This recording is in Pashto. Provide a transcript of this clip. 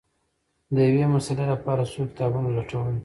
د یوې مسألې لپاره څو کتابونه لټول